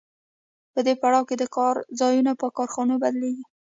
په دې پړاو کې د کار ځایونه په کارخانو بدلېږي